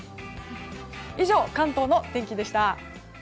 以上、関東の天気でした。